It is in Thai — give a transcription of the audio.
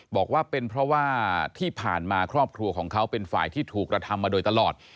บอกว่าเป็นเพราะว่าที่ผ่านมาครอบครัวของเขาเป็นฝ่ายที่ถูกกระทำมาโดยตลอด